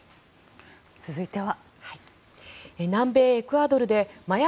続いては。